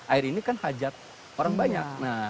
air ini kan hajat orang banyak